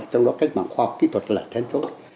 trong đó cách mạng khoa học kỹ thuật là tham chối